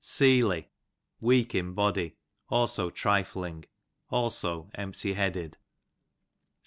Seely, iceak in body ; also trifling; also empty headed.